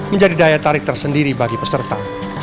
menjadi daya tarik tersendiri bagi peserta